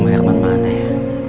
om herman mana ya